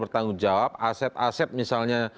kepada otoritas misalnya